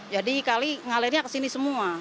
jadi kali ngalirnya kesini semua